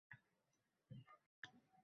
Nahot, shundoq dilbar beburd, bevafo?